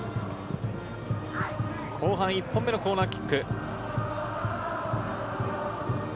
後半１本目のコーナーキック。